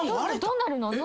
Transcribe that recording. どうなるの？